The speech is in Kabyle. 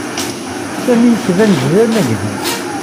Sami yettban-d d amagnu.